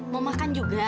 mau makan juga